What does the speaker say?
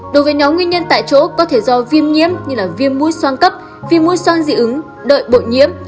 đối với nhóm nguyên nhân tại chỗ có thể do viêm nhiễm như viêm mũi son cấp viêm mũi son dị ứng đợi bội nhiễm